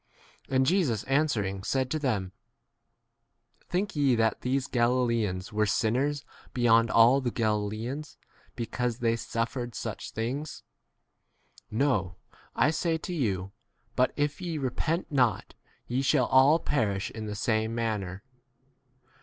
And Jesus answering said to them, Think ye that these Galileans were sinners beyond all the Galileans because they suf 3 fered such things ? No, I say to you, but if ye repent not, ye shall 4 all perish in the same manner.